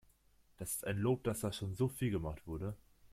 Das ist ein Lob, dass da schon so viel gemacht wurde.